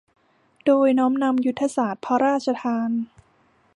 โดยน้อมนำยุทธศาสตร์พระราชทาน